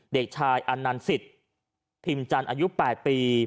เด็กชายอันนันสิทธิ์พิมพ์จันทร์อายุ๘ปี